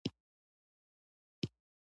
غرونه د افغانستان د موسم د بدلون سبب کېږي.